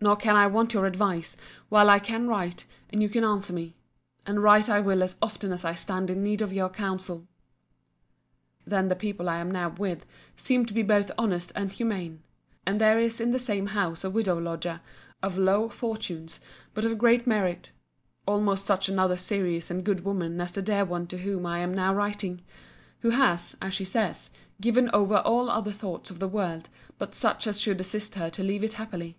Nor can I want your advice, while I can write, and you can answer me. And write I will as often as I stand in need of your counsel. Then the people I am now with seem to be both honest and humane: and there is in the same house a widow lodger, of low fortunes, but of great merit:—almost such another serious and good woman as the dear one to whom I am now writing; who has, as she says, given over all other thoughts of the world but such as should assist her to leave it happily.